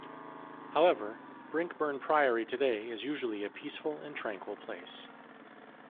However, Brinkburn Priory today is usually a peaceful and tranquil place.